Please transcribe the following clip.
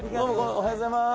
おはようございます。